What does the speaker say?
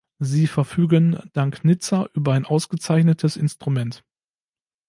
Sie verfügen dank Nizza über ein ausgezeichnetes Instrument.